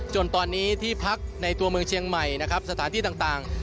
จนตอนนี้ที่พักในตัวเมืองเชียงใหม่นะครับสถานที่ต่าง